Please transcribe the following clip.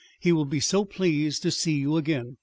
He will be so pleased to see you again.